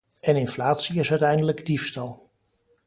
En inflatie is uiteindelijk diefstal.